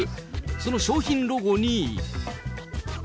その商品ロゴに。